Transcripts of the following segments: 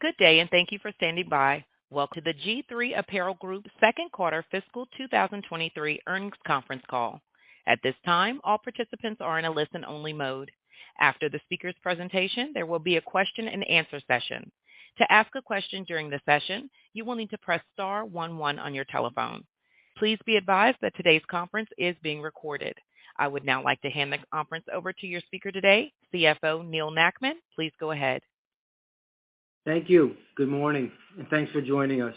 Good day, thank you for standing by. Welcome to the G-III Apparel Group, Ltd. second quarter fiscal 2023 earnings conference call. At this time, all participants are in a listen-only mode. After the speaker's presentation, there will be a question and answer session. To ask a question during the session, you will need to press star one one on your telephone. Please be advised that today's conference is being recorded. I would now like to hand the conference over to your speaker today, Chief Financial Officer Neal Nackman. Please go ahead. Thank you. Good morning, and thanks for joining us.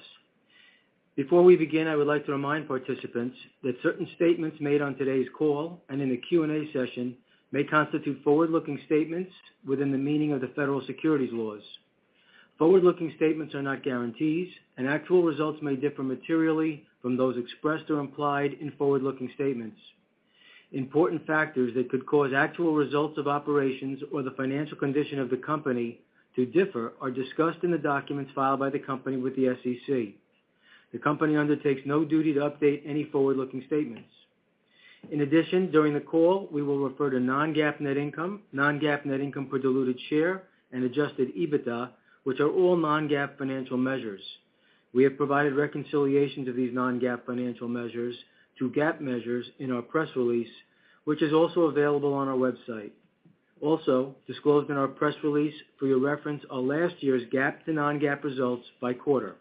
Before we begin, I would like to remind participants that certain statements made on today's call and in the Q&A session may constitute forward-looking statements within the meaning of the federal securities laws. Forward-looking statements are not guarantees, and actual results may differ materially from those expressed or implied in forward-looking statements. Important factors that could cause actual results of operations or the financial condition of the company to differ are discussed in the documents filed by the company with the SEC. The company undertakes no duty to update any forward-looking statements. In addition, during the call, we will refer to Non-GAAP net income, Non-GAAP net income per diluted share, and adjusted EBITDA, which are all Non-GAAP financial measures. We have provided reconciliations of these Non-GAAP financial measures to GAAP measures in our press release, which is also available on our website. Also disclosed in our press release, for your reference, are last year's GAAP to Non-GAAP results by quarter.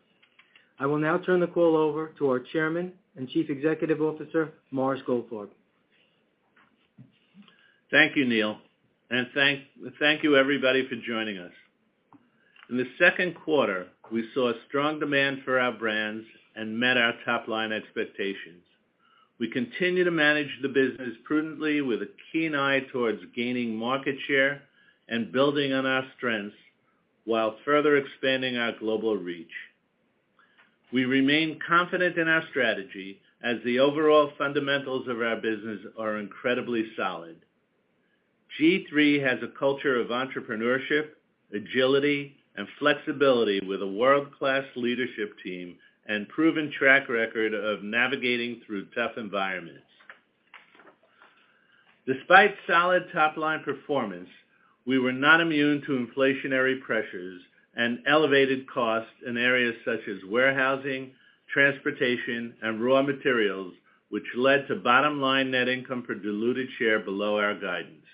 I will now turn the call over to our Chairman and Chief Executive Officer, Morris Goldfarb. Thank you, Neal. Thank you everybody for joining us. In the second quarter, we saw strong demand for our brands and met our top-line expectations. We continue to manage the business prudently with a keen eye towards gaining market share and building on our strengths while further expanding our global reach. We remain confident in our strategy as the overall fundamentals of our business are incredibly solid. G-III has a culture of entrepreneurship, agility, and flexibility with a world-class leadership team and proven track record of navigating through tough environments. Despite solid top-line performance, we were not immune to inflationary pressures and elevated costs in areas such as warehousing, transportation, and raw materials, which led to bottom-line net income per diluted share below our guidance.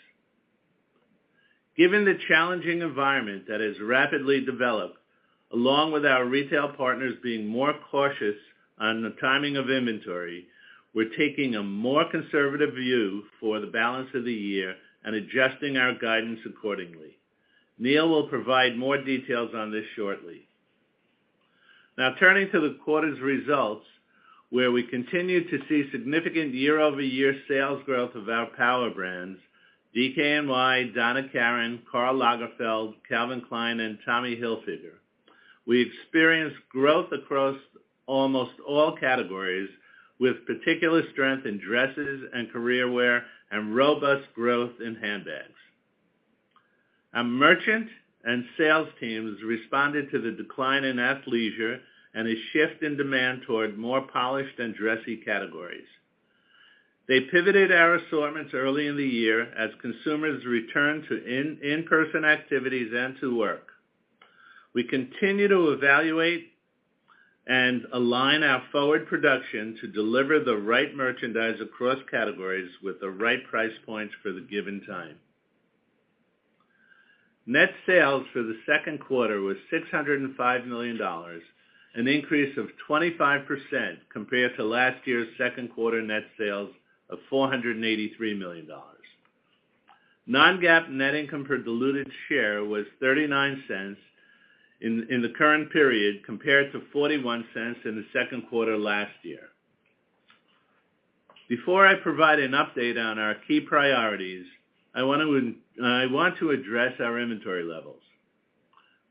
Given the challenging environment that has rapidly developed, along with our retail partners being more cautious on the timing of inventory, we're taking a more conservative view for the balance of the year and adjusting our guidance accordingly. Neal will provide more details on this shortly. Now turning to the quarter's results, where we continue to see significant year-over-year sales growth of our power brands, DKNY, Donna Karan, Karl Lagerfeld, Calvin Klein, and Tommy Hilfiger. We experienced growth across almost all categories, with particular strength in dresses and career wear and robust growth in handbags. Our merchant and sales teams responded to the decline in athleisure and a shift in demand toward more polished and dressy categories. They pivoted our assortments early in the year as consumers returned to in-person activities and to work. We continue to evaluate and align our forward production to deliver the right merchandise across categories with the right price points for the given time. Net sales for the second quarter was $605 million, an increase of 25% compared to last year's second quarter net sales of $483 million. Non-GAAP net income per diluted share was $0.39 in the current period compared to $0.41 in the second quarter last year. Before I provide an update on our key priorities, I want to address our inventory levels.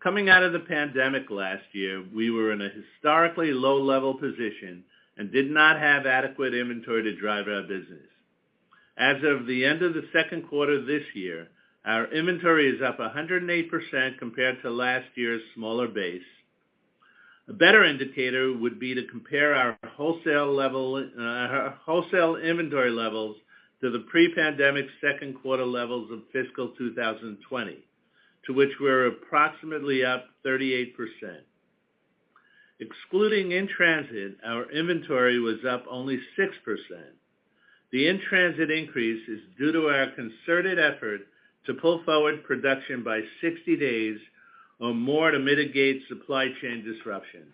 Coming out of the pandemic last year, we were in a historically low-level position and did not have adequate inventory to drive our business. As of the end of the second quarter this year, our inventory is up 108% compared to last year's smaller base. A better indicator would be to compare our wholesale level, our wholesale inventory levels to the pre-pandemic second quarter levels of fiscal 2020, to which we're approximately up 38%. Excluding in-transit, our inventory was up only 6%. The in-transit increase is due to our concerted effort to pull forward production by 60 days or more to mitigate supply chain disruptions.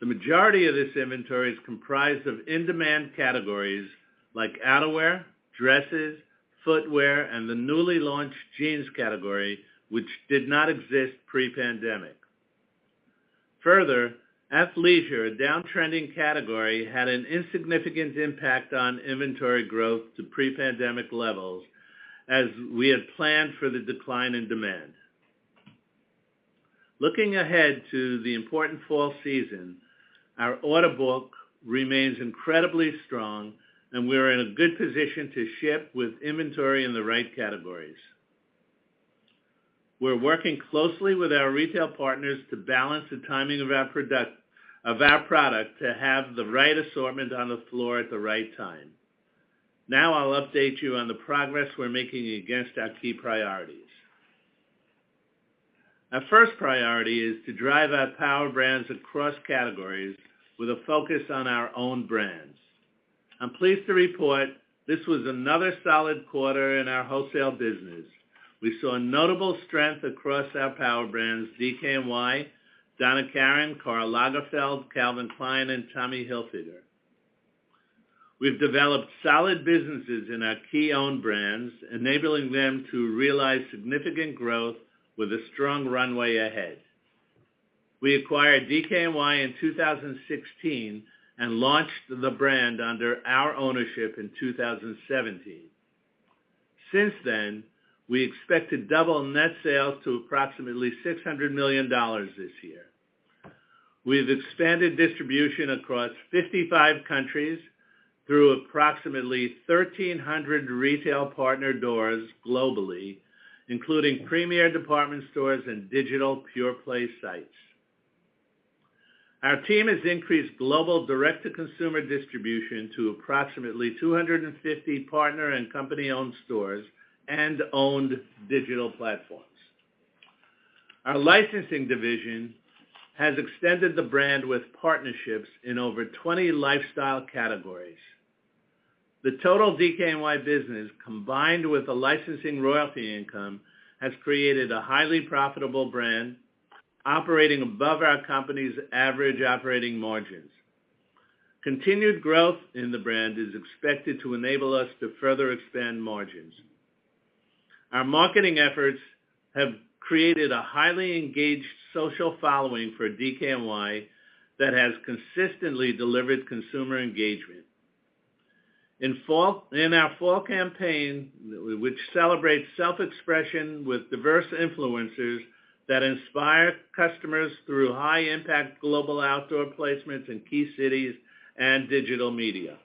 The majority of this inventory is comprised of in-demand categories like outerwear, dresses, footwear, and the newly launched jeans category, which did not exist pre-pandemic. Further, athleisure, a downtrending category, had an insignificant impact on inventory growth to pre-pandemic levels as we had planned for the decline in demand. Looking ahead to the important fall season, our order book remains incredibly strong, and we are in a good position to ship with inventory in the right categories. We're working closely with our retail partners to balance the timing of our product to have the right assortment on the floor at the right time. Now I'll update you on the progress we're making against our key priorities. Our first priority is to drive our power brands across categories with a focus on our own brands. I'm pleased to report this was another solid quarter in our wholesale business. We saw notable strength across our power brands, DKNY, Donna Karan, Karl Lagerfeld, Calvin Klein, and Tommy Hilfiger. We've developed solid businesses in our key own brands, enabling them to realize significant growth with a strong runway ahead. We acquired DKNY in 2016 and launched the brand under our ownership in 2017. Since then, we expect to double net sales to approximately $600 million this year. We have expanded distribution across 55 countries through approximately 1,300 retail partner doors globally, including premier department stores and digital pure play sites. Our team has increased global direct-to-consumer distribution to approximately 250 partner and company-owned stores and owned digital platforms. Our licensing division has extended the brand with partnerships in over 20 lifestyle categories. The total DKNY business, combined with the licensing royalty income, has created a highly profitable brand operating above our company's average operating margins. Continued growth in the brand is expected to enable us to further expand margins. Our marketing efforts have created a highly engaged social following for DKNY that has consistently delivered consumer engagement. In our fall campaign, which celebrates self-expression with diverse influencers that inspire customers through high-impact global outdoor placements in key cities and digital media.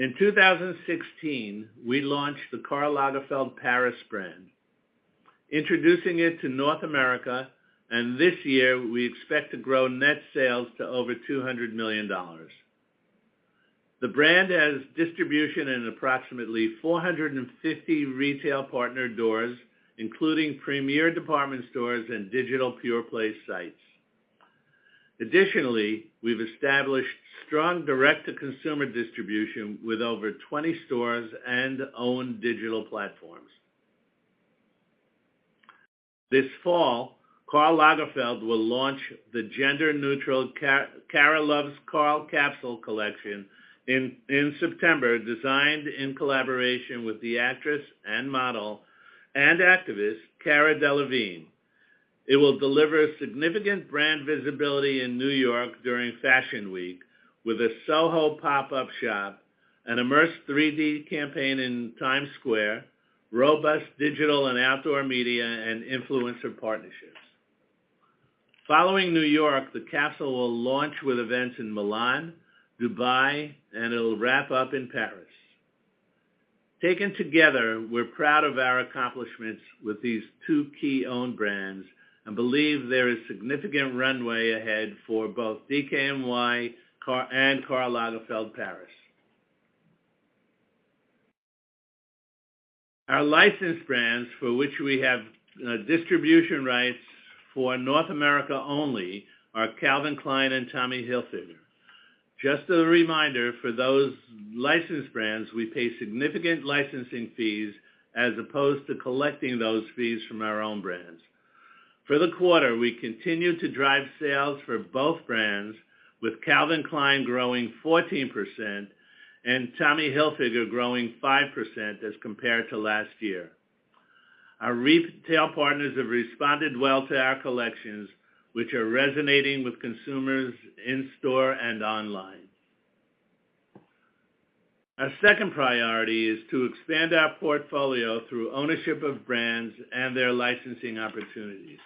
In 2016, we launched the Karl Lagerfeld Paris brand, introducing it to North America, and this year we expect to grow net sales to over $200 million. The brand has distribution in approximately 450 retail partner doors, including premier department stores and digital pure-play sites. Additionally, we've established strong direct-to-consumer distribution with over 20 stores and own digital platforms. This fall, Karl Lagerfeld will launch the gender-neutral Cara Loves Karl capsule collection in September, designed in collaboration with the actress and model and activist Cara Delevingne. It will deliver significant brand visibility in New York during Fashion Week with a Soho pop-up shop, an immersive 3D campaign in Times Square, robust digital and outdoor media, and influencer partnerships. Following New York, the capsule will launch with events in Milan, Dubai, and it'll wrap up in Paris. Taken together, we're proud of our accomplishments with these two key own brands and believe there is significant runway ahead for both DKNY and Karl Lagerfeld Paris. Our licensed brands, for which we have distribution rights for North America only, are Calvin Klein and Tommy Hilfiger. Just a reminder, for those licensed brands, we pay significant licensing fees as opposed to collecting those fees from our own brands. For the quarter, we continued to drive sales for both brands, with Calvin Klein growing 14%, and Tommy Hilfiger growing 5% as compared to last year. Our retail partners have responded well to our collections, which are resonating with consumers in store and online. Our second priority is to expand our portfolio through ownership of brands and their licensing opportunities.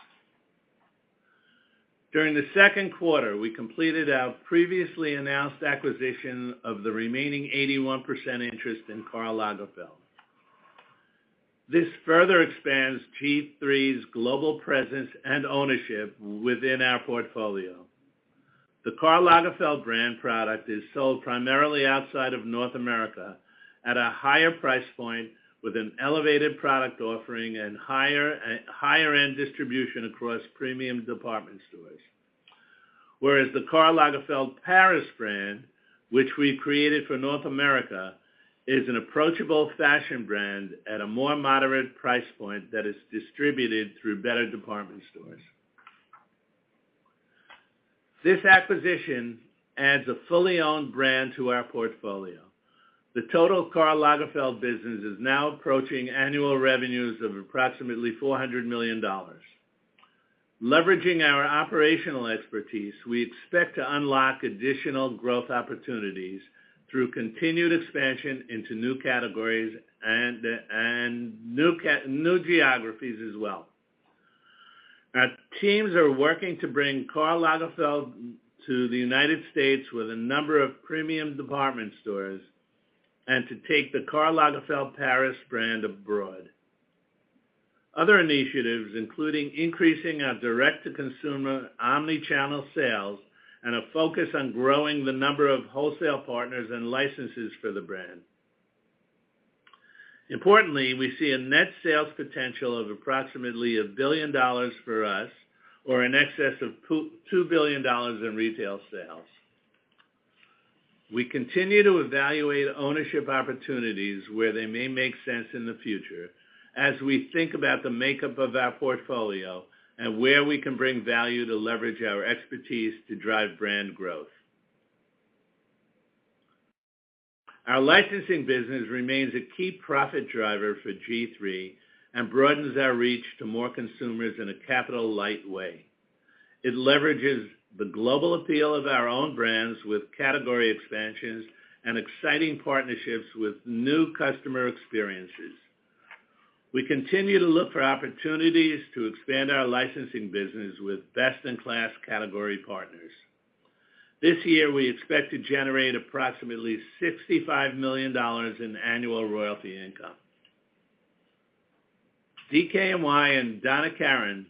During the second quarter, we completed our previously announced acquisition of the remaining 81% interest in Karl Lagerfeld. This further expands G-III's global presence and ownership within our portfolio. The Karl Lagerfeld brand product is sold primarily outside of North America at a higher price point with an elevated product offering and higher-end distribution across premium department stores. Whereas the Karl Lagerfeld Paris brand, which we created for North America, is an approachable fashion brand at a more moderate price point that is distributed through better department stores. This acquisition adds a fully owned brand to our portfolio. The total Karl Lagerfeld business is now approaching annual revenues of approximately $400 million. Leveraging our operational expertise, we expect to unlock additional growth opportunities through continued expansion into new categories and new geographies as well. Our teams are working to bring Karl Lagerfeld to the United States with a number of premium department stores and to take the Karl Lagerfeld Paris brand abroad. Other initiatives including increasing our direct-to-consumer omni-channel sales and a focus on growing the number of wholesale partners and licenses for the brand. Importantly, we see a net sales potential of approximately $1 billion for us or in excess of $2 billion in retail sales. We continue to evaluate ownership opportunities where they may make sense in the future as we think about the makeup of our portfolio and where we can bring value to leverage our expertise to drive brand growth. Our licensing business remains a key profit driver for G-III and broadens our reach to more consumers in a capital-light way. It leverages the global appeal of our own brands with category expansions and exciting partnerships with new customer experiences. We continue to look for opportunities to expand our licensing business with best-in-class category partners. This year, we expect to generate approximately $65 million in annual royalty income. DKNY and Donna Karan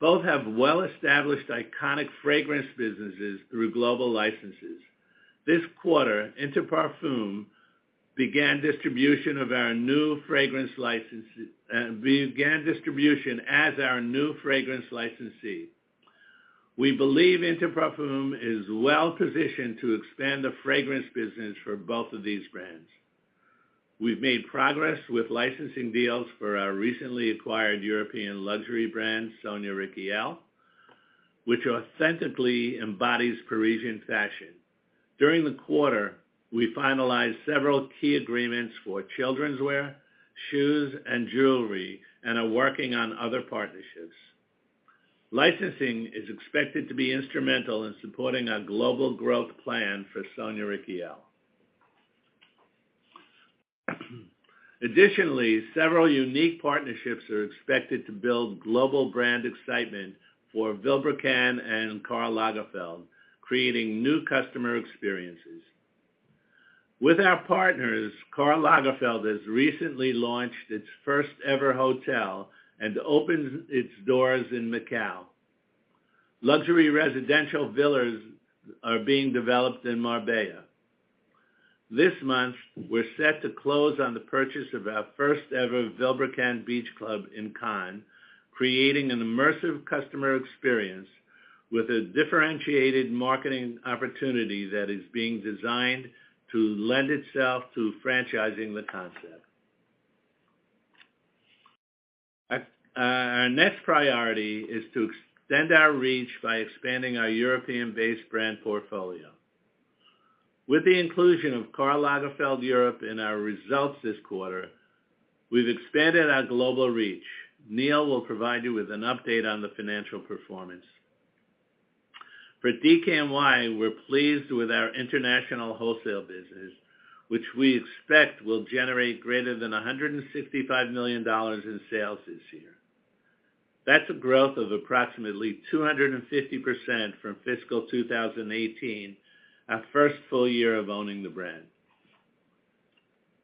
both have well-established iconic fragrance businesses through global licenses. This quarter, Inter Parfums began distribution as our new fragrance licensee. We believe Inter Parfums is well-positioned to expand the fragrance business for both of these brands. We've made progress with licensing deals for our recently acquired European luxury brand, Sonia Rykiel, which authentically embodies Parisian fashion. During the quarter, we finalized several key agreements for children's wear, shoes, and jewelry, and are working on other partnerships. Licensing is expected to be instrumental in supporting our global growth plan for Sonia Rykiel. Additionally, several unique partnerships are expected to build global brand excitement for Vilebrequin and Karl Lagerfeld, creating new customer experiences. With our partners, Karl Lagerfeld has recently launched its first-ever hotel and opens its doors in Macau. Luxury residential villas are being developed in Marbella. This month, we're set to close on the purchase of our first-ever Vilebrequin Beach Club in Cannes, creating an immersive customer experience with a differentiated marketing opportunity that is being designed to lend itself to franchising the concept. Our next priority is to extend our reach by expanding our European-based brand portfolio. With the inclusion of Karl Lagerfeld Europe in our results this quarter, we've expanded our global reach. Neal will provide you with an update on the financial performance. For DKNY, we're pleased with our international wholesale business, which we expect will generate greater than $165 million in sales this year. That's a growth of approximately 250% from fiscal 2018, our first full year of owning the brand.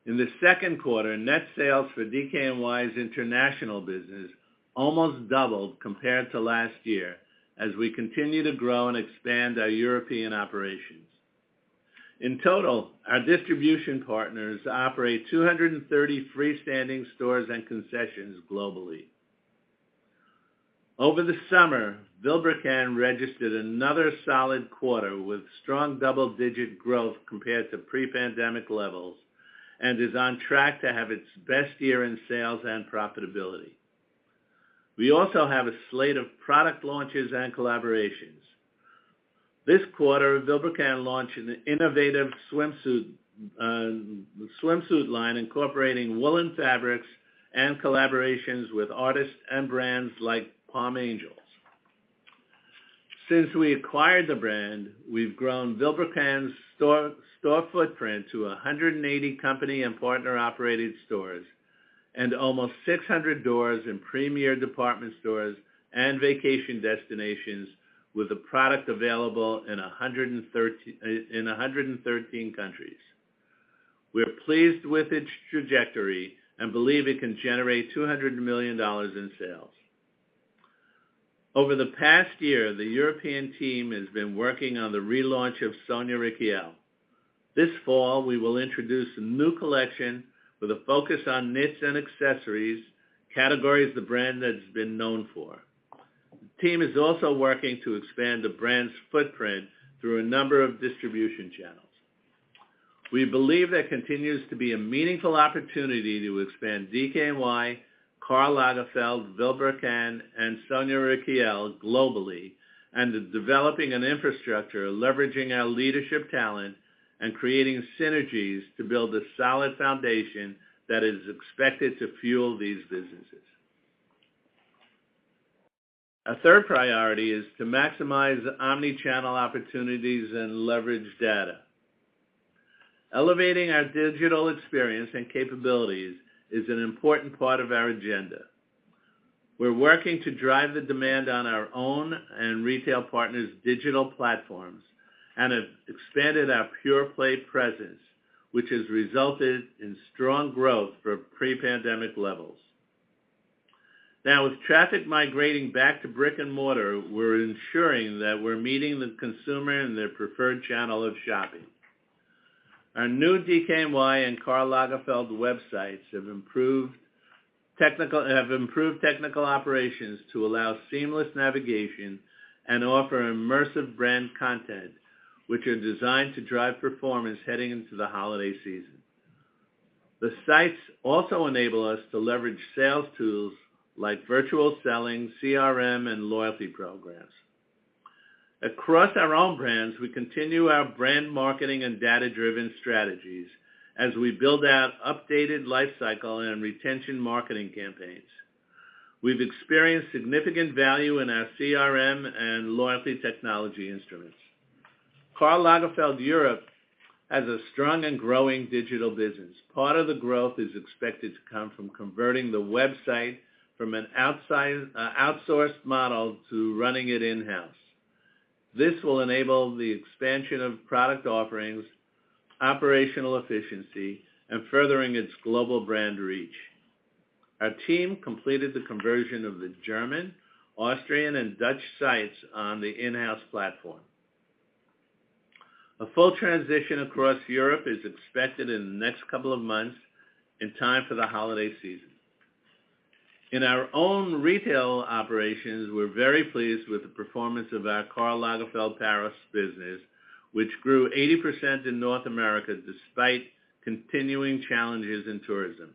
In the second quarter, net sales for DKNY's international business almost doubled compared to last year as we continue to grow and expand our European operations. In total, our distribution partners operate 230 freestanding stores and concessions globally. Over the summer, Vilebrequin registered another solid quarter with strong double-digit growth compared to pre-pandemic levels and is on track to have its best year in sales and profitability. We also have a slate of product launches and collaborations. This quarter, Vilebrequin launched an innovative swimsuit line incorporating woolen fabrics and collaborations with artists and brands like Palm Angels. Since we acquired the brand, we've grown Vilebrequin's store footprint to 180 company and partner-operated stores and almost 600 doors in premier department stores and vacation destinations with a product available in 113 countries. We're pleased with its trajectory and believe it can generate $200 million in sales. Over the past year, the European team has been working on the relaunch of Sonia Rykiel. This fall, we will introduce a new collection with a focus on knits and accessories, categories the brand has been known for. The team is also working to expand the brand's footprint through a number of distribution channels. We believe there continues to be a meaningful opportunity to expand DKNY, Karl Lagerfeld, Vilebrequin, and Sonia Rykiel globally, and then developing an infrastructure, leveraging our leadership talent, and creating synergies to build a solid foundation that is expected to fuel these businesses. A third priority is to maximize omnichannel opportunities and leverage data. Elevating our digital experience and capabilities is an important part of our agenda. We're working to drive the demand on our own and retail partners' digital platforms and have expanded our pure-play presence, which has resulted in strong growth from pre-pandemic levels. Now, with traffic migrating back to brick-and-mortar, we're ensuring that we're meeting the consumer in their preferred channel of shopping. Our new DKNY and Karl Lagerfeld websites have improved technical operations to allow seamless navigation and offer immersive brand content, which are designed to drive performance heading into the holiday season. The sites also enable us to leverage sales tools like virtual selling, CRM, and loyalty programs. Across our own brands, we continue our brand marketing and data-driven strategies as we build out updated lifecycle and retention marketing campaigns. We've experienced significant value in our CRM and loyalty technology instruments. Karl Lagerfeld Europe has a strong and growing digital business. Part of the growth is expected to come from converting the website from an outsourced model to running it in-house. This will enable the expansion of product offerings, operational efficiency, and furthering its global brand reach. Our team completed the conversion of the German, Austrian, and Dutch sites on the in-house platform. A full transition across Europe is expected in the next couple of months in time for the holiday season. In our own retail operations, we're very pleased with the performance of our Karl Lagerfeld Paris business, which grew 80% in North America despite continuing challenges in tourism.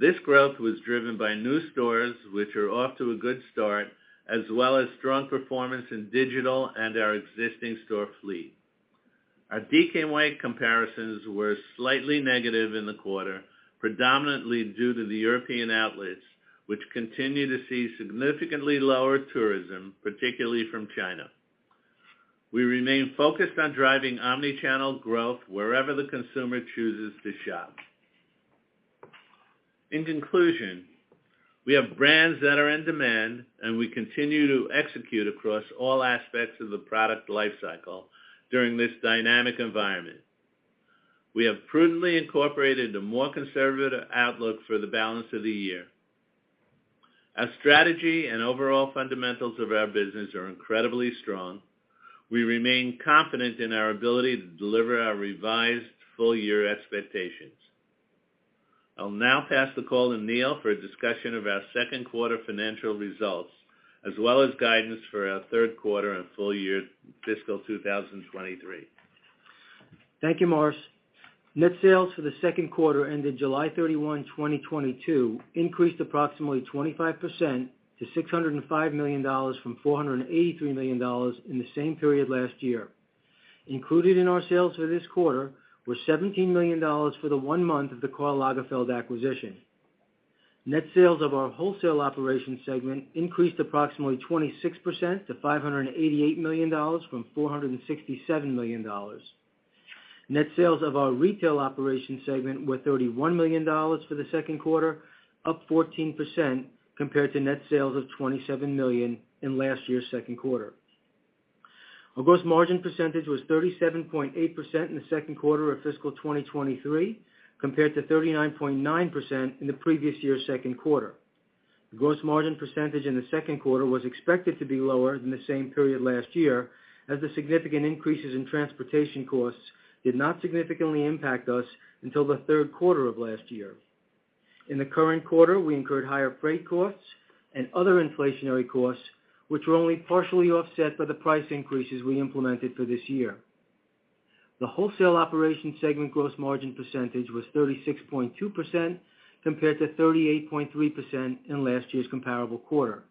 This growth was driven by new stores, which are off to a good start, as well as strong performance in digital and our existing store fleet. Our DKNY comparisons were slightly negative in the quarter, predominantly due to the European outlets, which continue to see significantly lower tourism, particularly from China. We remain focused on driving omni-channel growth wherever the consumer chooses to shop. In conclusion, we have brands that are in demand, and we continue to execute across all aspects of the product lifecycle during this dynamic environment. We have prudently incorporated a more conservative outlook for the balance of the year. Our strategy and overall fundamentals of our business are incredibly strong. We remain confident in our ability to deliver our revised full-year expectations. I'll now pass the call to Neal for a discussion of our second quarter financial results, as well as guidance for our third quarter and full-year fiscal 2023. Thank you, Morris. Net sales for the second quarter ended July 31, 2022 increased approximately 25% to $605 million from $483 million in the same period last year. Included in our sales for this quarter was $17 million for the one month of the Karl Lagerfeld acquisition. Net sales of our wholesale operation segment increased approximately 26% - $588 million from $467 million. Net sales of our retail operation segment were $31 million for the second quarter, up 14% compared to net sales of $27 million in last year's second quarter. Our gross margin percentage was 37.8% in the second quarter of fiscal 2023 compared to 39.9% in the previous year's second quarter. The gross margin percentage in the second quarter was expected to be lower than the same period last year as the significant increases in transportation costs did not significantly impact us until the third quarter of last year. In the current quarter, we incurred higher freight costs and other inflationary costs, which were only partially offset by the price increases we implemented for this year. The wholesale operation segment gross margin percentage was 36.2% compared to 38.3% in last year's comparable quarter.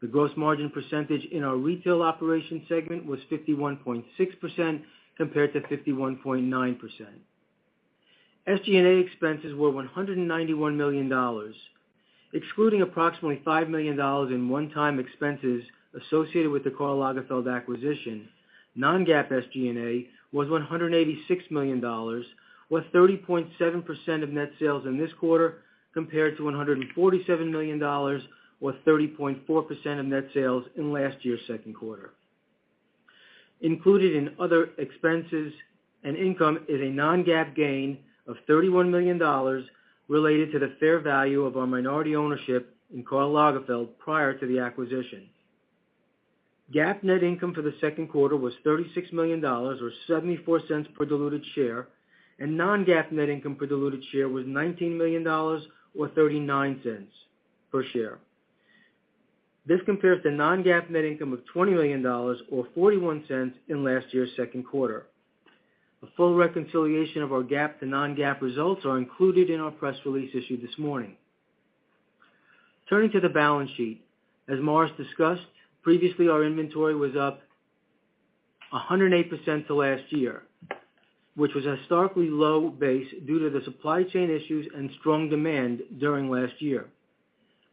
The gross margin percentage in our retail operation segment was 51.6% compared - 51.9%. SG&A expenses were $191 million. Excluding approximately $5 million in one-time expenses associated with the Karl Lagerfeld acquisition, Non-GAAP SG&A was $186 million, with 30.7% of net sales in this quarter, compared to $147 million or 30.4% of net sales in last year's second quarter. Included in other expenses and income is a Non-GAAP gain of $31 million related to the fair value of our minority ownership in Karl Lagerfeld prior to the acquisition. GAAP net income for the second quarter was $36 million or $0.74 per diluted share, and Non-GAAP net income was $19 million or $0.39 per share. This compares to Non-GAAP net income of $20 million or $0.41 in last year's second quarter. A full reconciliation of our GAAP to Non-GAAP results is included in our press release issued this morning. Turning to the balance sheet. As Morris discussed, previously our inventory was up 108% to last year, which was a historically low base due to the supply chain issues and strong demand during last year.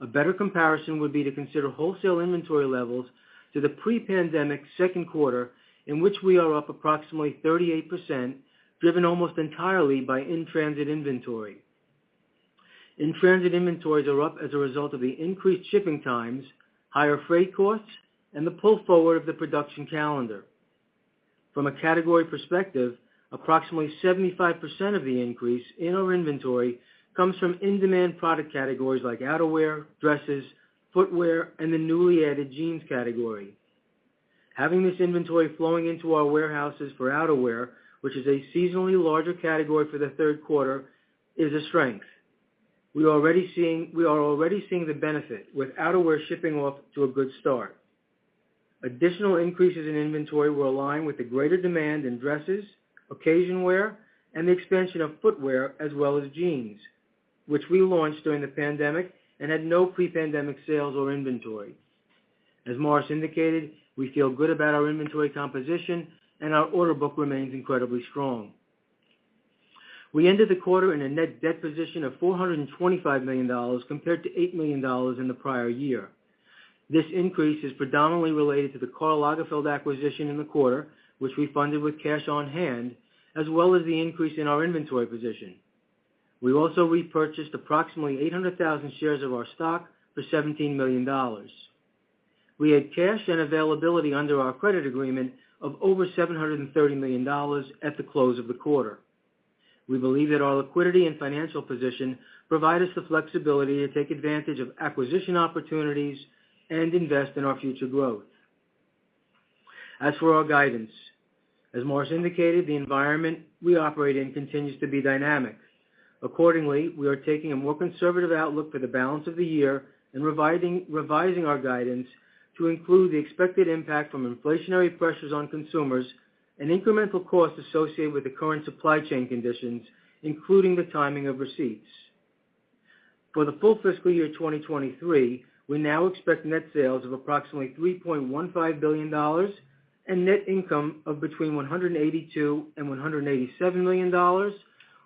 A better comparison would be to consider wholesale inventory levels to the pre-pandemic second quarter, in which we are up approximately 38%, driven almost entirely by in-transit inventory. In-transit inventories are up as a result of the increased shipping times, higher freight costs, and the pull forward of the production calendar. From a category perspective, approximately 75% of the increase in our inventory comes from in-demand product categories like outerwear, dresses, footwear, and the newly added jeans category. Having this inventory flowing into our warehouses for outerwear, which is a seasonally larger category for the third quarter, is a strength. We are already seeing the benefit with outerwear shipping off to a good start. Additional increases in inventory will align with the greater demand in dresses, occasion wear, and the expansion of footwear, as well as jeans, which we launched during the pandemic and had no pre-pandemic sales or inventory. As Morris indicated, we feel good about our inventory composition, and our order book remains incredibly strong. We ended the quarter in a net debt position of $425 million, compared to $8 million in the prior year. This increase is predominantly related to the Karl Lagerfeld acquisition in the quarter, which we funded with cash on hand, as well as the increase in our inventory position. We also repurchased approximately 800,000 shares of our stock for $17 million. We had cash and availability under our credit agreement of over $730 million at the close of the quarter. We believe that our liquidity and financial position provide us the flexibility to take advantage of acquisition opportunities and invest in our future growth. As for our guidance, as Morris indicated, the environment we operate in continues to be dynamic. Accordingly, we are taking a more conservative outlook for the balance of the year and revising our guidance to include the expected impact from inflationary pressures on consumers and incremental costs associated with the current supply chain conditions, including the timing of receipts. For the full fiscal year 2023, we now expect net sales of approximately $3.15 billion and net income of between $182 million and $187 million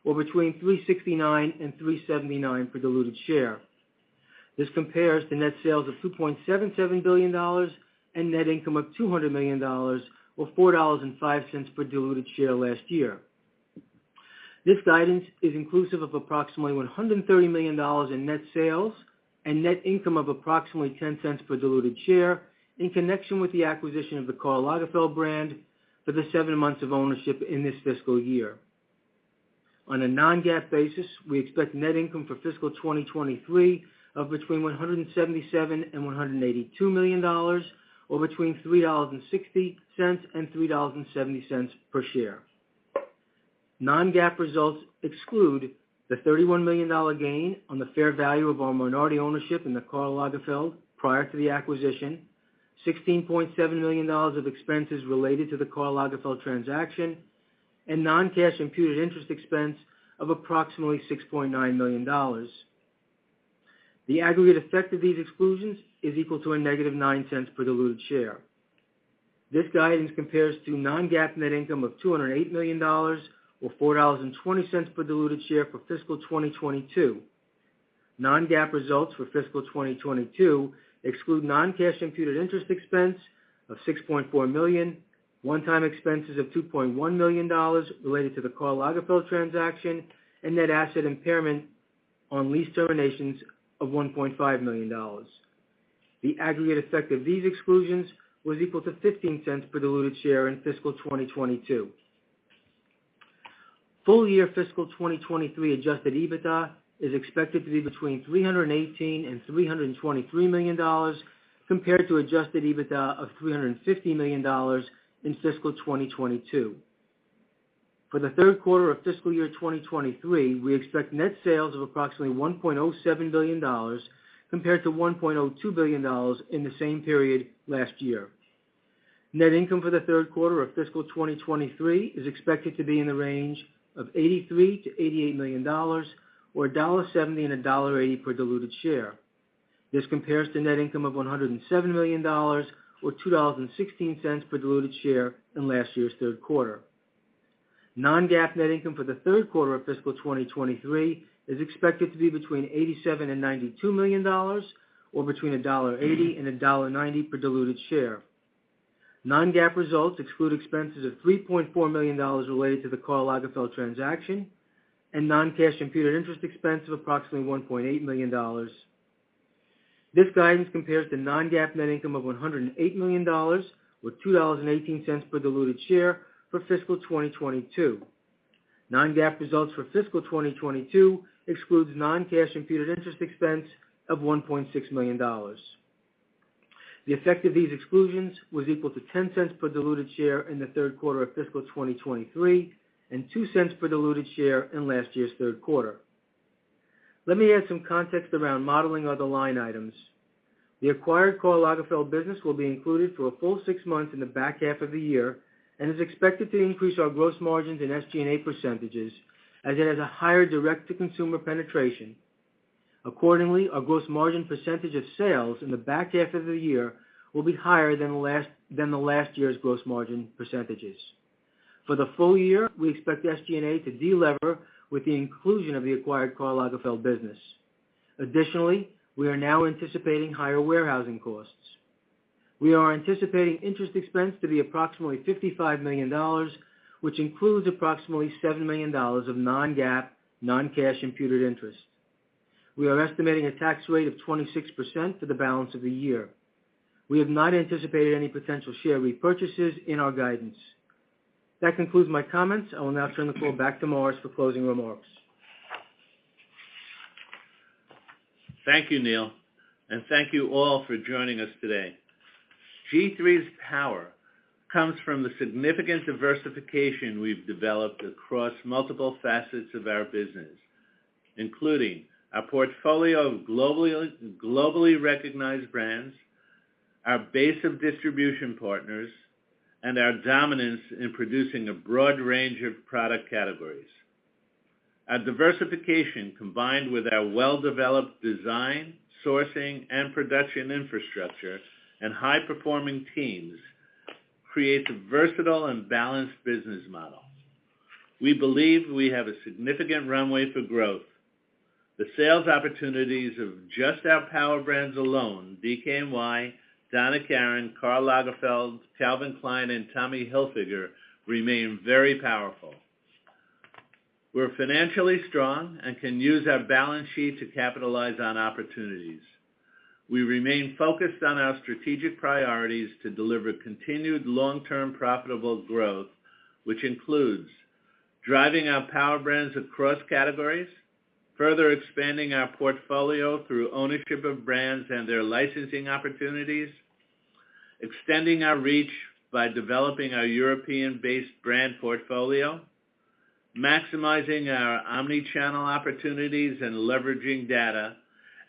or between $3.69 and $3.79 per diluted share. This compares to net sales of $2.77 billion and net income of $200 million or $4.05 per diluted share last year. This guidance is inclusive of approximately $130 million in net sales and net income of approximately $0.10 per diluted share in connection with the acquisition of the Karl Lagerfeld brand for the seven months of ownership in this fiscal year. On a Non-GAAP basis, we expect net income for fiscal 2023 of between $177 million and $182 million or between $3.60 and $3.70 per share. Non-GAAP results exclude the $31 million gain on the fair value of our minority ownership in Karl Lagerfeld prior to the acquisition, $16.7 million of expenses related to the Karl Lagerfeld transaction, and non-cash imputed interest expense of approximately $6.9 million. The aggregate effect of these exclusions is equal to -$0.09 per diluted share. This guidance compares to Non-GAAP net income of $208 million or $4.20 per diluted share for fiscal 2022. Non-GAAP results for fiscal 2022 exclude non-cash imputed interest expense of $6.4 million, one-time expenses of $2.1 million related to the Karl Lagerfeld transaction, and net asset impairment on lease terminations of $1.5 million. The aggregate effect of these exclusions was equal to $0.15 per diluted share in fiscal 2022. Full year fiscal 2023 adjusted EBITDA is expected to be between $318 million and $323 million compared to adjusted EBITDA of $350 million in fiscal 2022. For the third quarter of fiscal year 2023, we expect net sales of approximately $1.07 billion compared to $1.02 billion in the same period last year. Net income for the third quarter of fiscal 2023 is expected to be in the range of $83 million-$88 million or $1.70-$1.80 per diluted share. This compares to net income of $107 million or $2.16 per diluted share in last year's third quarter. Non-GAAP net income for the third quarter of fiscal 2023 is expected to be between $87 million-$92 million or between $1.80-$1.90 per diluted share. Non-GAAP results exclude expenses of $3.4 million related to the Karl Lagerfeld transaction and non-cash expense of imputed interest approximately $1.8 million. This guidance compares to Non-GAAP net income of $108 million or $2.18 per diluted share for fiscal 2022. Non-GAAP results for fiscal 2022 exclude non-cash imputed interest expense of $1.6 million. The effect of these exclusions was equal to 10 cents per diluted share in the third quarter of fiscal 2023 and two cents per diluted share in last year's third quarter. Let me add some context around modeling other line items. The acquired Karl Lagerfeld business will be included for a full six months in the back half of the year and is expected to increase our gross margins and SG&A percentages as it has a higher direct-to-consumer penetration. Accordingly, our gross margin percentage of sales in the back half of the year will be higher than the last year's gross margin percentages. For the full year, we expect SG&A to de-lever with the inclusion of the acquired Karl Lagerfeld business. Additionally, we are now anticipating higher warehousing costs. We are anticipating interest expense to be approximately $55 million, which includes approximately $7 million of Non-GAAP, non-cash imputed interest. We are estimating a tax rate of 26% for the balance of the year. We have not anticipated any potential share repurchases in our guidance. That concludes my comments. I will now turn the call back to Morris for closing remarks. Thank you, Neal. Thank you all for joining us today. G-III's power comes from the significant diversification we've developed across multiple facets of our business, including our portfolio of globally recognized brands, our base of distribution partners, and our dominance in producing a broad range of product categories. Our diversification, combined with our well-developed design, sourcing and production infrastructure and high-performing teams, creates a versatile and balanced business model. We believe we have a significant runway for growth. The sales opportunities of just our power brands alone, DKNY, Donna Karan, Karl Lagerfeld, Calvin Klein and Tommy Hilfiger, remain very powerful. We're financially strong and can use our balance sheet to capitalize on opportunities. We remain focused on our strategic priorities to deliver continued long-term profitable growth, which includes driving our power brands across categories, further expanding our portfolio through ownership of brands and their licensing opportunities, extending our reach by developing our European-based brand portfolio, maximizing our omni-channel opportunities and leveraging data,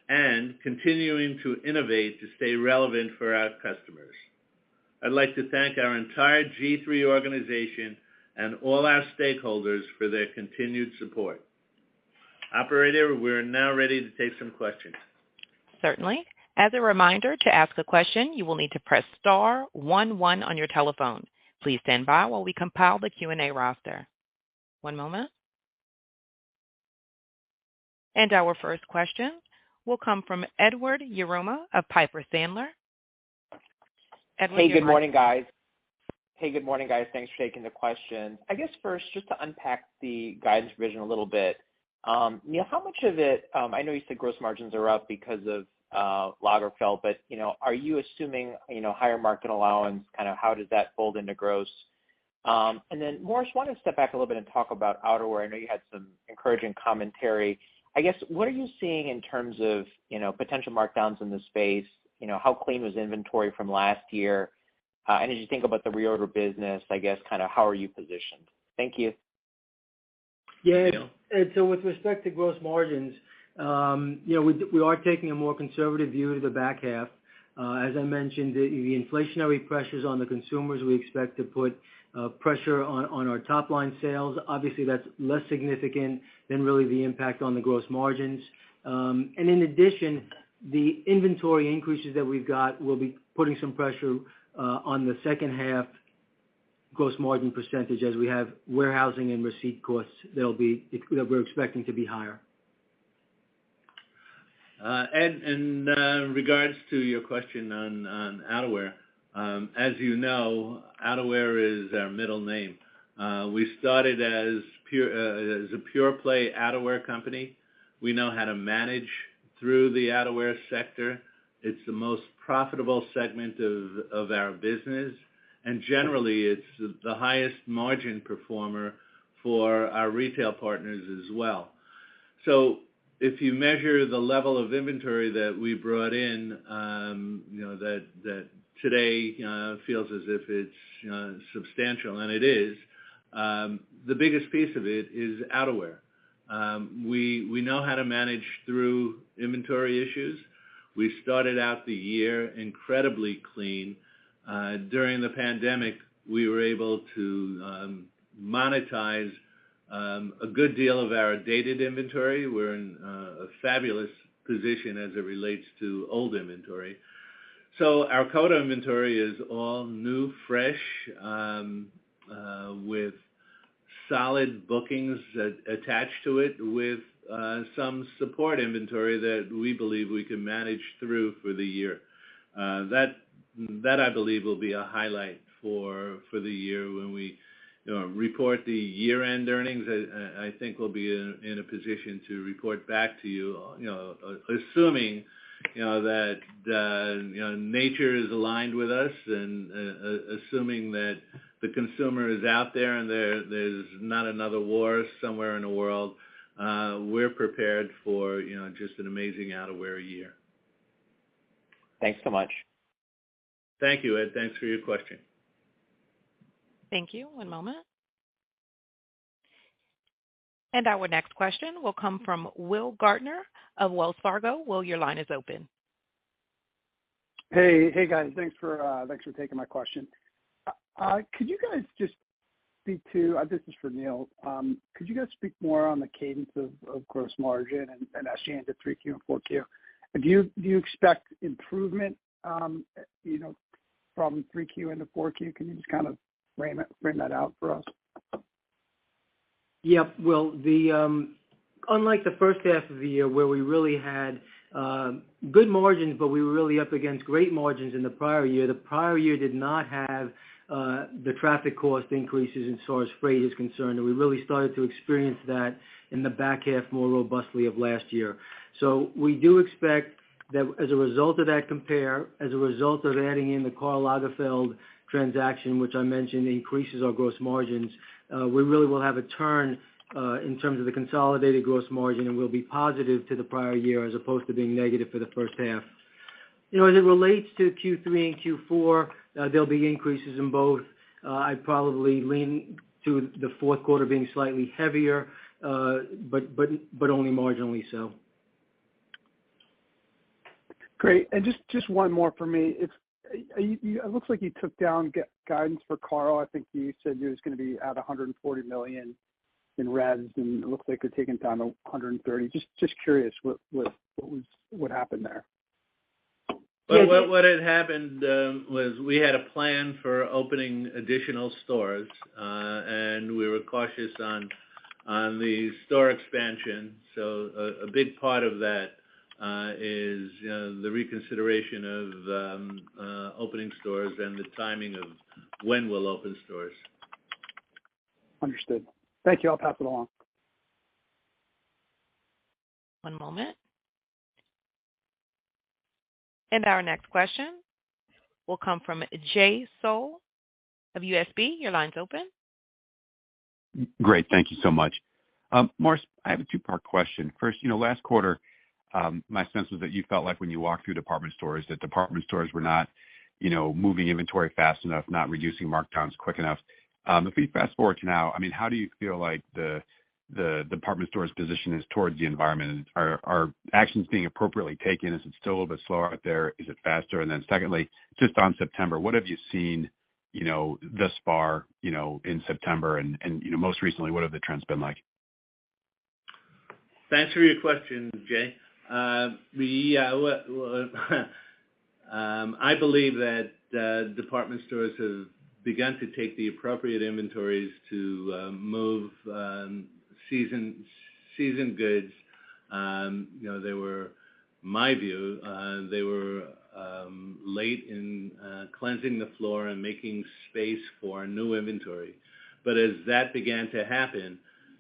and continuing to innovate to stay relevant for our customers. I'd like to thank our entire G-III organization and all our stakeholders for their continued support. Operator, we're now ready to take some questions. Certainly. As a reminder, to ask a question, you will need to press star one one on your telephone. Please stand by while we compile the Q&A roster. One moment. Our first question will come from Edward Yruma of Piper Sandler. Edward, your line- Hey, good morning, guys. Thanks for taking the question. I guess first, just to unpack the guidance revision a little bit. Neal, how much of it, I know you said gross margins are up because of Lagerfeld, but, you know, are you assuming, you know, higher markdown allowance? Kinda how does that fold into gross? Then Morris, why don't step back a little bit and talk about outerwear. I know you had some encouraging commentary. I guess, what are you seeing in terms of, you know, potential markdowns in the space? You know, how clean was inventory from last year? As you think about the reorder business, I guess, kinda how are you positioned? Thank you. Yeah. Ed, with respect to gross margins, you know, we are taking a more conservative view to the back half. As I mentioned, the inflationary pressures on the consumers we expect to put pressure on our top line sales. Obviously, that's less significant than really the impact on the gross margins. In addition, the inventory increases that we've got will be putting some pressure on the second half gross margin percentage as we have warehousing and receipt costs that we're expecting to be higher. Ed, in regards to your question on outerwear. As you know, outerwear is our middle name. We started as a pure play outerwear company. We know how to manage through the outerwear sector. It's the most profitable segment of our business. Generally, it's the highest margin performer for our retail partners as well. If you measure the level of inventory that we brought in, you know, that today feels as if it's substantial, and it is. The biggest piece of it is outerwear. We know how to manage through inventory issues. We started out the year incredibly clean. During the pandemic, we were able to monetize a good deal of our dated inventory. We're in a fabulous position as it relates to old inventory. Our quota inventory is all new, fresh, with solid bookings attached to it, with some support inventory that we believe we can manage through for the year. That I believe will be a highlight for the year when we, you know, report the year-end earnings. I think we'll be in a position to report back to you know, assuming, you know, that the, you know, nature is aligned with us and assuming that the consumer is out there and there's not another war somewhere in the world. We're prepared for, you know, just an amazing outerwear year. Thanks so much. Thank you, Ed. Thanks for your question. Thank you. One moment. Our next question will come from Will Gaertner of Wells Fargo. Will, your line is open. Hey. Hey, guys. Thanks for taking my question. Could you guys just speak to this is for Neal. Could you guys speak more on the cadence of gross margin and as you enter 3Q and 4Q? Do you expect improvement, you know, from 3Q into 4Q? Can you just kind of frame that out for us? Yep. Well, unlike the first half of the year where we really had good margins, but we were really up against great margins in the prior year. The prior year did not have the tariff cost increases as far as freight is concerned, and we really started to experience that in the back half more robustly of last year. We do expect that as a result of that comp, as a result of adding in the Karl Lagerfeld transaction, which I mentioned increases our gross margins, we really will have a turn in terms of the consolidated gross margin, and we'll be positive to the prior year as opposed to being negative for the first half. You know, as it relates to Q3 and Q4, there'll be increases in both. I'd probably lean to the fourth quarter being slightly heavier, but only marginally so. Great. Just one more for me. It looks like you took down guidance for Karl. I think you said it was gonna be at $140 million in revs, and it looks like you're taking down to $130 million. Just curious, what happened there? Yeah, I think. What had happened was we had a plan for opening additional stores and we were cautious on the store expansion. A big part of that is you know the reconsideration of opening stores and the timing of when we'll open stores. Understood. Thank you. I'll pass it along. One moment. Our next question will come from Jay Sole of UBS. Your line's open. Great. Thank you so much. Morris, I have a two-part question. First, you know, last quarter, my sense was that you felt like when you walked through department stores that department stores were not, you know, moving inventory fast enough, not reducing markdowns quick enough. If we fast-forward to now, I mean, how do you feel like the department stores' position is towards the environment? Are actions being appropriately taken? Is it still a bit slow out there? Is it faster? And then secondly, just on September, what have you seen, you know, thus far, you know, in September and most recently, what have the trends been like? Thanks for your question, Jay. I believe that department stores have begun to take the appropriate inventories to move season goods. You know, in my view, they were late in cleansing the floor and making space for new inventory. As that began to happen,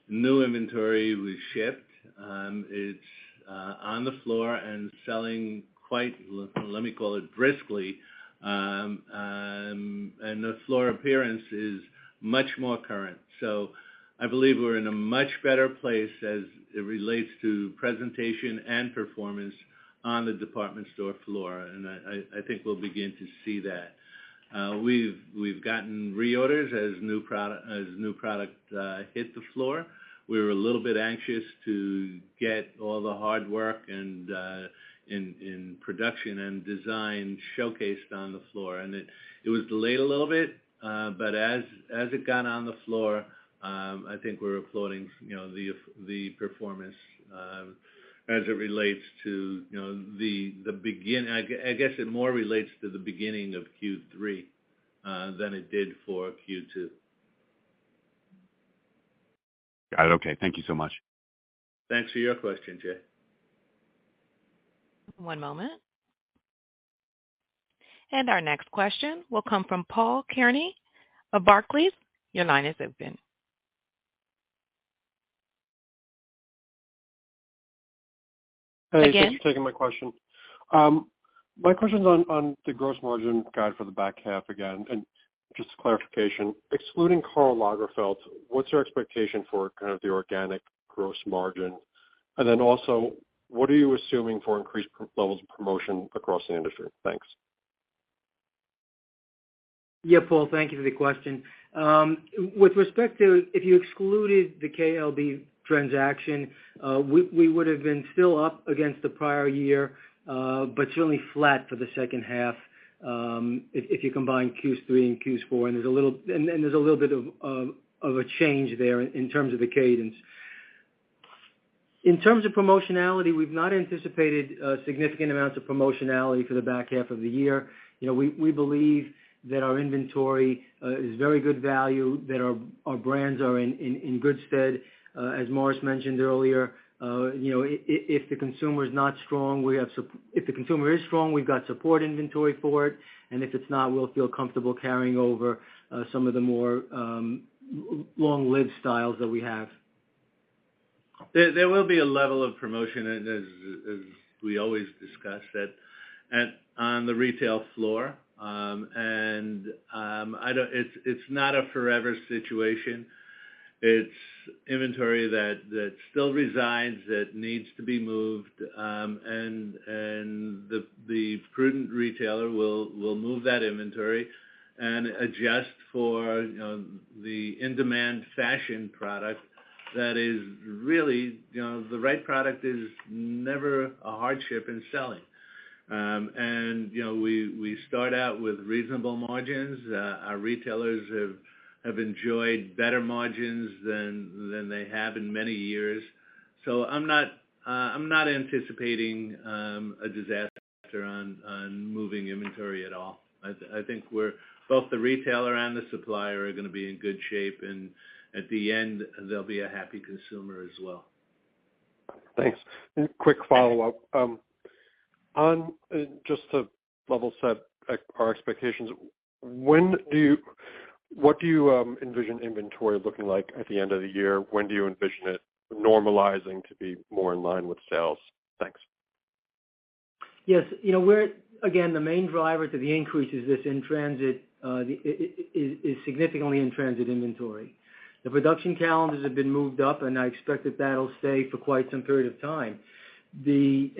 new inventory was shipped. It's on the floor and selling quite, let me call it briskly, and the floor appearance is much more current. I believe we're in a much better place as it relates to presentation and performance on the department store floor, and I think we'll begin to see that. We've gotten reorders as new product hit the floor. We were a little bit anxious to get all the hard work and in production and design showcased on the floor. It was delayed a little bit. But as it got on the floor, I think we're applauding, you know, the performance as it relates to, you know, I guess it more relates to the beginning of Q3 than it did for Q2. Got it. Okay. Thank you so much. Thanks for your question, Jay. One moment. Our next question will come from Paul Kearney of Barclays. Your line is open. Hey, thanks for taking my question. My question's on the gross margin guide for the back half again. Just clarification, excluding Karl Lagerfeld, what's your expectation for kind of the organic gross margin? Then also, what are you assuming for increased promo levels of promotion across the industry? Thanks. Yeah. Paul, thank you for the question. With respect to if you excluded the KLB transaction, we would've been still up against the prior year, but certainly flat for the second half, if you combine Q3 and Q4. There's a little bit of a change there in terms of the cadence. In terms of promotional activity, we've not anticipated significant amounts of promotional activity for the back half of the year. You know, we believe that our inventory is very good value, that our brands are in good stead. As Morris mentioned earlier, you know, if the consumer's not strong. If the consumer is strong, we've got support inventory for it, and if it's not, we'll feel comfortable carrying over some of the more long-lived styles that we have. There will be a level of promotion as we always discuss that on the retail floor. It's not a forever situation. It's inventory that still resides that needs to be moved. The prudent retailer will move that inventory and adjust for, you know, the in-demand fashion product that is really, you know, the right product is never a hardship in selling. You know, we start out with reasonable margins. Our retailers have enjoyed better margins than they have in many years. I'm not anticipating a disaster on moving inventory at all. I think both the retailer and the supplier are gonna be in good shape, and at the end, there'll be a happy consumer as well. Thanks. Quick follow-up. Just to level set our expectations, what do you envision inventory looking like at the end of the year? When do you envision it normalizing to be more in line with sales? Thanks. Yes. You know, again, the main driver to the increase is this in-transit significantly in-transit inventory. The production calendars have been moved up, and I expect that that'll stay for quite some period of time. The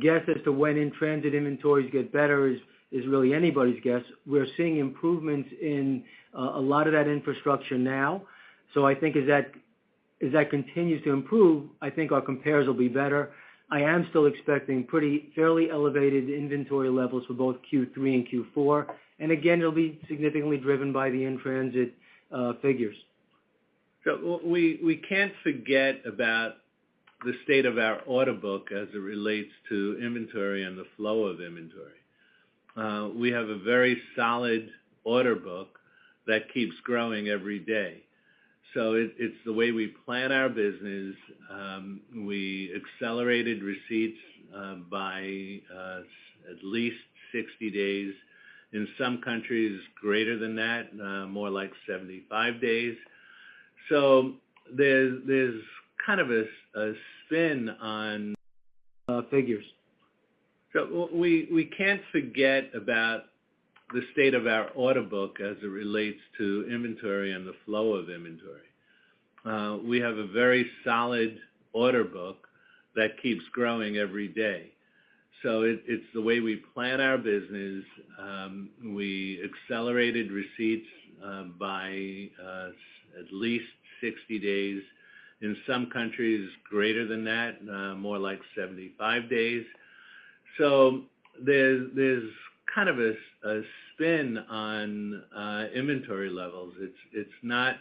guess as to when in-transit inventories get better is really anybody's guess. We're seeing improvements in a lot of that infrastructure now. I think as that continues to improve, I think our compares will be better. I am still expecting pretty fairly elevated inventory levels for both Q3 and Q4. Again, it'll be significantly driven by the in-transit figures. We can't forget about the state of our order book as it relates to inventory and the flow of inventory. We have a very solid order book that keeps growing every day. It's the way we plan our business. We accelerated receipts by at least 60 days. In some countries, greater than that, more like 75 days. There's kind of a spin on figures. We can't forget about the state of our order book as it relates to inventory and the flow of inventory. We have a very solid order book that keeps growing every day. It's the way we plan our business. We accelerated receipts by at least 60 days. In some countries, greater than that, more like 75 days. There's kind of a spin on inventory levels. It's not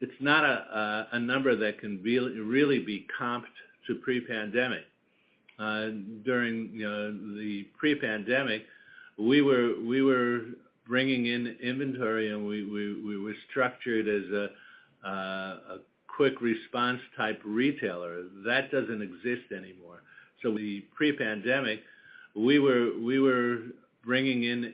a number that can really be compared to pre-pandemic. During, you know, the pre-pandemic, we were bringing in inventory, and we were structured as a quick response type retailer. That doesn't exist anymore. We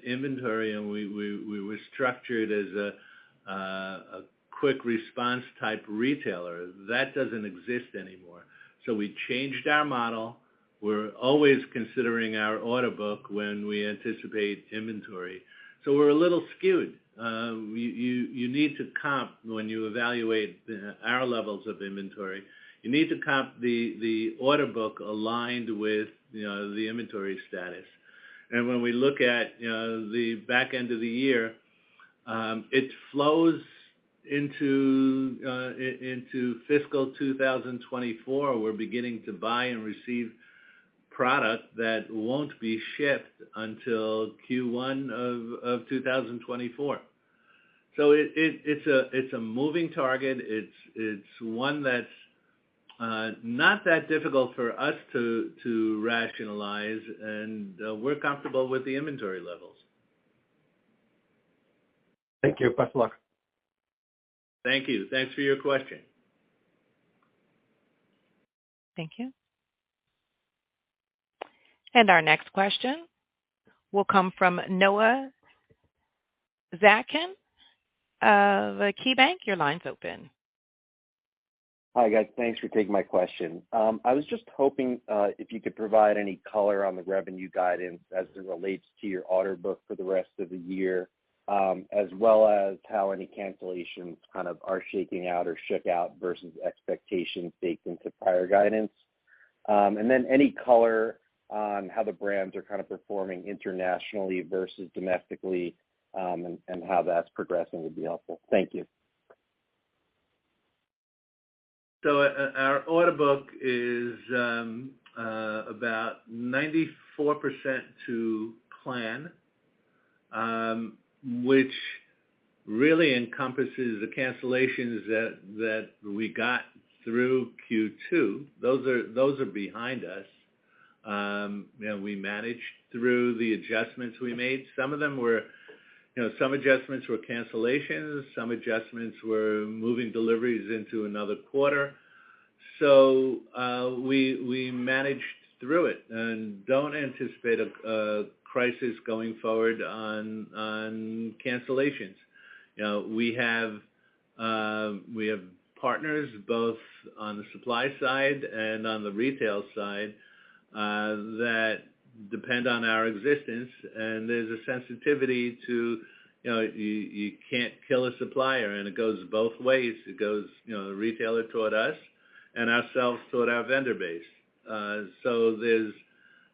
changed our model. We're always considering our order book when we anticipate inventory. We're a little skewed. You need to comp when you evaluate our levels of inventory. You need to comp the order book aligned with, you know, the inventory status. When we look at, you know, the back end of the year, it flows into fiscal 2024. We're beginning to buy and receive product that won't be shipped until Q1 of 2024. It's a moving target. It's one that's not that difficult for us to rationalize, and we're comfortable with the inventory levels. Thank you. Best of luck. Thank you. Thanks for your question. Thank you. Our next question will come from Noah Zatzkin of KeyBanc Capital Markets. Your line's open. Hi, guys. Thanks for taking my question. I was just hoping if you could provide any color on the revenue guidance as it relates to your order book for the rest of the year, as well as how any cancellations kind of are shaking out or shook out versus expectations baked into prior guidance. Any color on how the brands are kind of performing internationally versus domestically, and how that's progressing would be helpful. Thank you. Our order book is about 94% to plan, which really encompasses the cancellations that we got through Q2. Those are behind us. You know, we managed through the adjustments we made. Some of them were, you know, some adjustments were cancellations, some adjustments were moving deliveries into another quarter. We managed through it and don't anticipate a crisis going forward on cancellations. You know, we have partners both on the supply side and on the retail side that depend on our existence, and there's a sensitivity to, you know, you can't kill a supplier, and it goes both ways. It goes, you know, the retailer toward us and ourselves toward our vendor base.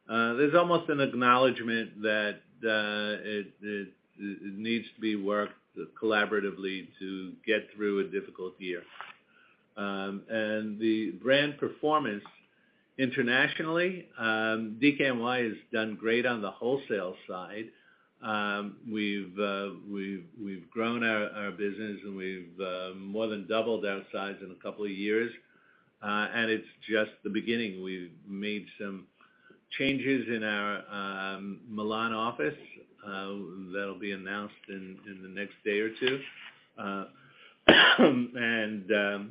There's almost an acknowledgment that it needs to be worked collaboratively to get through a difficult year. The brand performance internationally, DKNY has done great on the wholesale side. We've grown our business, and we've more than doubled our size in a couple of years. It's just the beginning. We've made some changes in our Milan office that'll be announced in the next day or two. The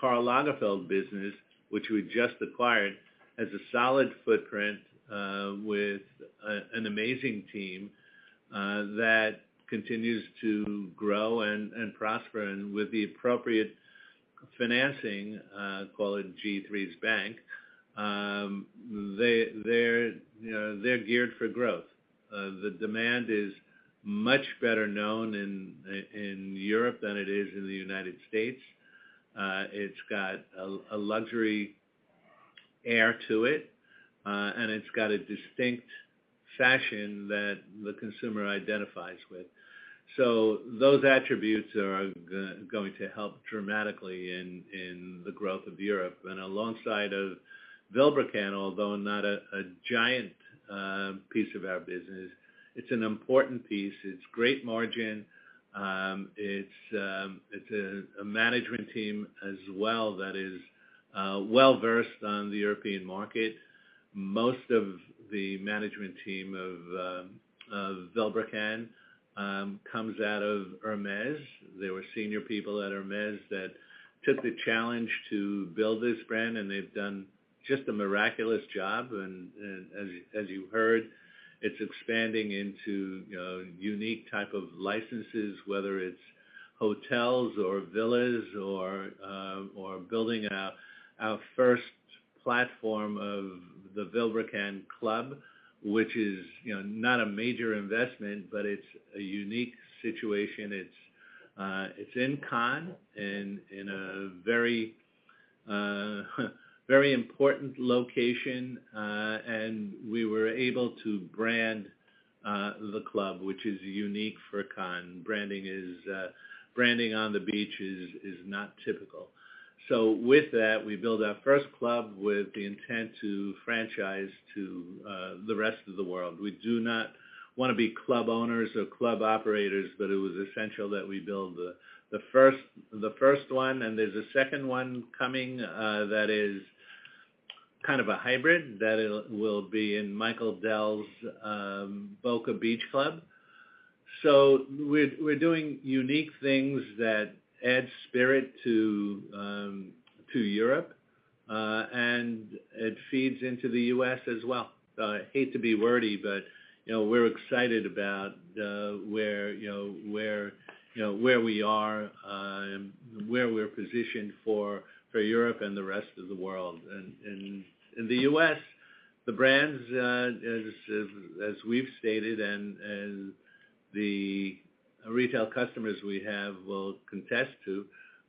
Karl Lagerfeld business, which we just acquired, has a solid footprint with an amazing team that continues to grow and prosper. With the appropriate financing, call it G-III's bank, they're geared for growth. The demand is much better known in Europe than it is in the United States. It's got a luxury aura to it. It's got a distinct fashion that the consumer identifies with. Those attributes are going to help dramatically in the growth of Europe. Alongside Vilebrequin, although not a giant piece of our business, it's an important piece. It's great margin. It's a management team as well that is well-versed on the European market. Most of the management team of Vilebrequin comes out of Hermès. They were senior people at Hermès that took the challenge to build this brand, and they've done just a miraculous job. As you heard, it's expanding into, you know, unique type of licenses, whether it's hotels or villas or building out our first platform of the Vilebrequin Club, which is, you know, not a major investment, but it's a unique situation. It's in Cannes in a very important location. We were able to brand the club, which is unique for Cannes. Branding on the beach is not typical. With that, we built our first club with the intent to franchise to the rest of the world. We do not wanna be club owners or club operators, but it was essential that we build the first one. There's a second one coming, that is kind of a hybrid that it will be in Michael Dell's Boca Beach Club. We're doing unique things that add spirit to Europe, and it feeds into the U.S. as well. I hate to be wordy, but you know, we're excited about where we are and where we're positioned for Europe and the rest of the world. In the U.S., the brands, as we've stated and the retail customers we have will attest to,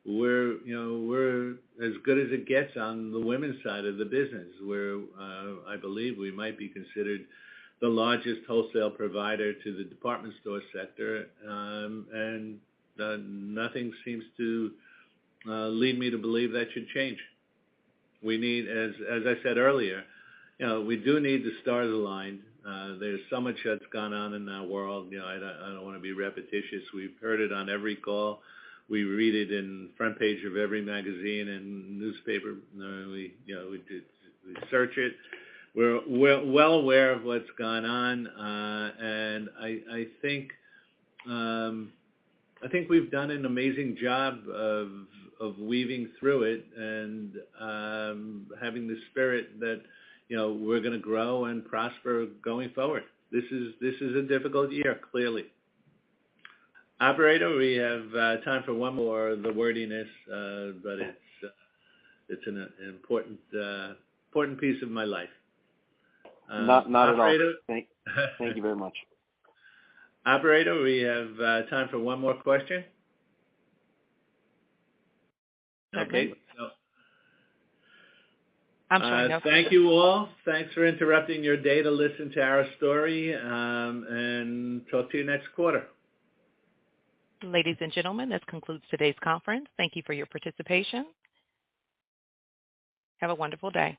we're, you know, as good as it gets on the women's side of the business, where I believe we might be considered the largest wholesale provider to the department store sector. Nothing seems to lead me to believe that should change. We need, as I said earlier, you know, we do need to start a line. There's so much that's gone on in our world. You know, I don't wanna be repetitious. We've heard it on every call. We read it on the front page of every magazine and newspaper. You know, we search it. We're well aware of what's gone on. I think we've done an amazing job of weaving through it and having the spirit that, you know, we're gonna grow and prosper going forward. This is a difficult year, clearly. Operator, we have time for one more. It's an important piece of my life. Not at all. Operator. Thank you very much. Operator, we have time for one more question. Okay. So. I'm sorry. Thank you all. Thanks for interrupting your day to listen to our story, and talk to you next quarter. Ladies and gentlemen, this concludes today's conference. Thank you for your participation. Have a wonderful day.